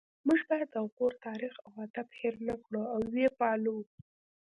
موږ باید د غور تاریخ او ادب هیر نکړو او ويې پالو